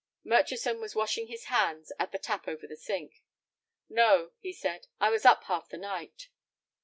Murchison was washing his hands at the tap over the sink. "No," he said, "I was up half the night."